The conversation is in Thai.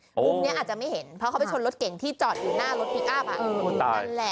มุมนี้อาจจะไม่เห็นเพราะเขาไปชนรถเก่งที่จอดอยู่หน้ารถพลิกอัพนั่นแหละ